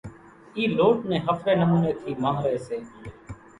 اِي لوٽ نين ۿڦري نموني ٿي مانۿري سي